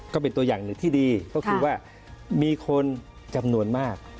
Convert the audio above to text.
ก็เป็นตัวอย่างหนึ่งที่ดีก็คือว่ามีคนจำนวนมาก